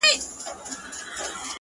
گراني اوس دي سترگي رانه پټي كړه;